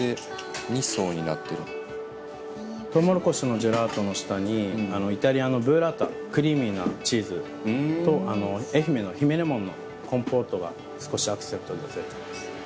とうもろこしのジェラートの下にイタリアのブッラータクリーミーなチーズと愛媛の姫レモンのコンポートが少しアクセントで添えてます。